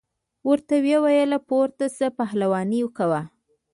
ورته وویل پورته شه پهلواني کوه.